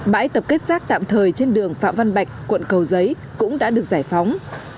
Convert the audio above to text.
bãi tập kết rác tạm thời trên đường phạm văn bạch quận cầu giấy cũng đã được giải phóng